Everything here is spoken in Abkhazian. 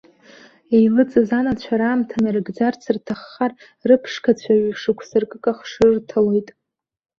Еилыҵыз анацәа раамҭа нарыгӡарц рҭаххар, рыԥшқацәа ҩшықәса ркыкахш рырҭалоит.